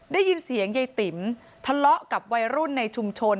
ได้ยินเสียงยายติ๋มทะเลาะกับวัยรุ่นในชุมชน